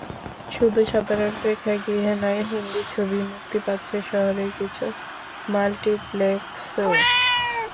শুধু সাধারণ প্রেক্ষাগৃহে নয়, হিন্দি ছবি মুক্তি পাচ্ছে শহরের কিছু মাল্টিপ্লেক্সেও।